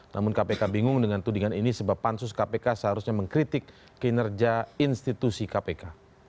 namun kpk bingung dengan tudingan ini sebab pansus kpk seharusnya mengkritik kinerja institusi kpk